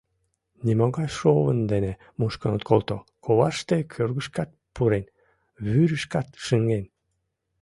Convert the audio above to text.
Нимогай шовын дене мушкын от колто: коваште кӧргышкат пурен, вӱрышкат шыҥен...